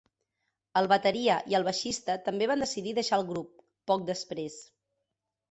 El bateria i el baixista també van decidir deixar el grup, poc després.